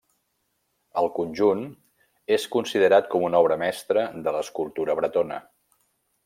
El conjunt és considerat com una obra mestra de l'escultura bretona.